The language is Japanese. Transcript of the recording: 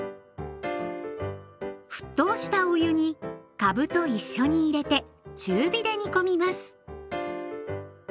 沸騰したお湯にかぶと一緒に入れて中火で煮込みます。